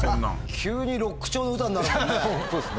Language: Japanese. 急にロック調の歌になるもんね。